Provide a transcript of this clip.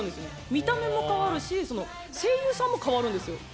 見た目も変わるし声優さんも変わるんですよ。